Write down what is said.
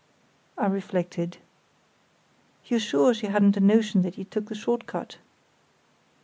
I reflected. "You're sure she hadn't a notion that you took the short cut?"